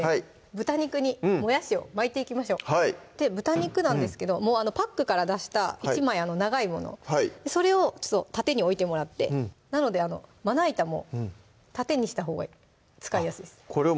豚肉にもやしを巻いていきましょうはい豚肉なんですけどもうパックから出した１枚あの長いものそれをちょっと縦に置いてもらってなのでまな板も縦にしたほうが使いやすいです